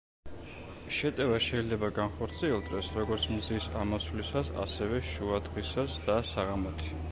შეტევა შეიძლება განხორციელდეს, როგორც მზის ამოსვლისას, ასევე შუადღისას და საღამოთი.